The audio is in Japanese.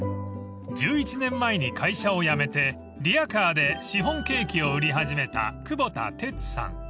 ［１１年前に会社を辞めてリヤカーでシフォンケーキを売り始めた久保田哲さん］